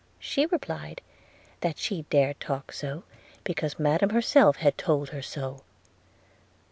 she replied, that she dared talk so, because Madam herself had told her so.'